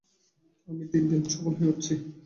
আমি দিন দিন সবল হয়ে উঠছি।